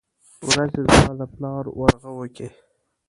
ورځې زما د پلار ورغوو کې ،